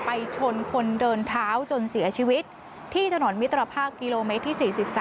ชนคนเดินเท้าจนเสียชีวิตที่ถนนมิตรภาพกิโลเมตรที่๔๓